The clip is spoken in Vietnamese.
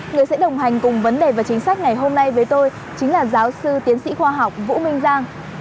mình cùng vấn đề và chính sách ngày hôm nay với tôi chính là giáo sư tiến sĩ khoa học vũ minh giang